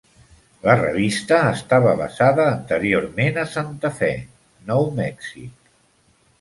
La revista estava basada anteriorment a Santa Fe, New Mexico.